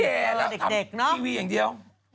แก่แล้วทำทีวีอย่างเดียว